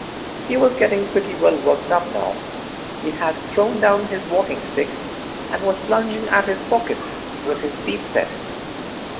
He was getting pretty well worked up now. He had thrown down his walking stick and was plunging at his pockets with his teeth set.